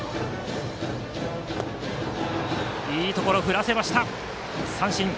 いいところを振らせました三振。